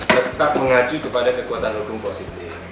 tetap mengacu kepada kekuatan hukum positif